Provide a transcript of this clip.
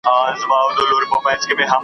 ستا د علم او منطق سره ده سمه .